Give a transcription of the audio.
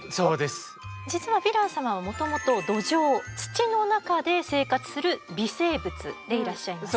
実はヴィラン様はもともと土壌土の中で生活する微生物でいらっしゃいます。